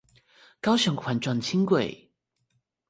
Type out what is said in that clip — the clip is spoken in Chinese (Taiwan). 高雄環狀輕軌